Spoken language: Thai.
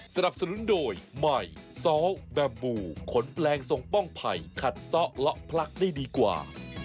สนับสนุนโดยใหม่ซ้อแบบบูขนแปลงทรงป้องไผ่ขัดซ้อเลาะพลักได้ดีกว่า